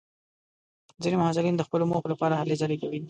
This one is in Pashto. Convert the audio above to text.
ځینې محصلین د خپلو موخو لپاره هلې ځلې کوي.